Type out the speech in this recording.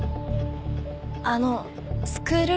あのスクール